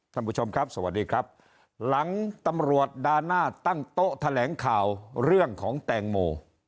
ท่านผู้ชมครับสวัสดีครับหลังตำรวจด่าหน้าตั้งโต๊ะแถลงข่าวเรื่องของแตงโม